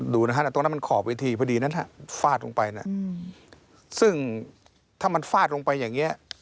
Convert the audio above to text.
ดูนะฮะตรงนั้นมันขอบเวทีพอดีนั้นฟาดลงไปนะซึ่งถ้ามันฟาดลงไปอย่างนี้